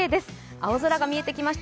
青空が見えてきました。